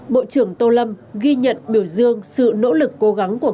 bộ trưởng tô lâm ghi nhận biểu dương sự nỗ lực cố gắng của công an